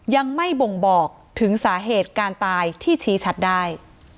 ยังไม่บ่งบอกถึงสาเหตุการตายที่ชี้ชัดได้